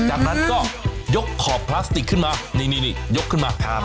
จากนั้นก็ยกขอบพลาสติกขึ้นมานี่ยกขึ้นมา